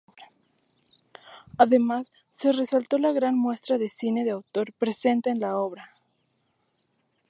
Además, se resaltó la gran muestra de cine de autor presente en la obra.